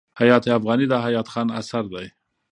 حیات افغاني د حیات خان اثر دﺉ.